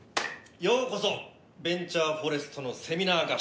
ようこそベンチャーフォレストのセミナー合宿へ。